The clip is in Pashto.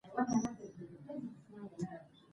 د قانون سرغړونه د مسؤلیت سبب کېږي.